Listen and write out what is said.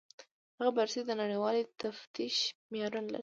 هغه بررسي د نړیوال تفتیش معیارونه لري.